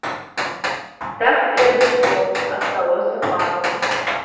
Так і адышло, асталося пану.